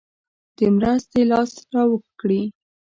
د مرستې لاس را اوږد کړي.